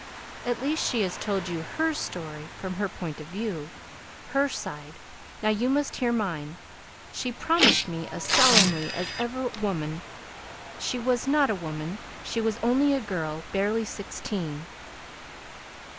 "At least she has told you her story from her point of view, her side; now you must hear mine. She promised me as solemnly as ever woman " "She was not a woman, she was only a girl, barely sixteen."